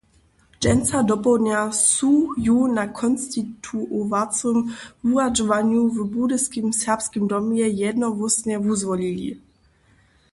Dźensa dopołdnja su ju na konstituowacym wuradźowanju w Budyskim Serbskim domje jednohłósnje wuzwolili.